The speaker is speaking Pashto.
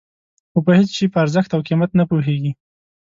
خو په هېڅ شي په ارزښت او قیمت نه پوهېږي.